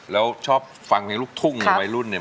แล้วชอบฟังเพลงลูกทุ่งวัยรุ่นเนี่ย